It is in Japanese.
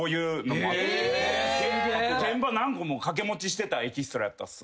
現場何個も掛け持ちしてたエキストラやったっす。